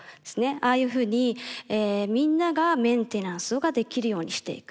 ああいうふうにみんながメンテナンスができるようにしていく。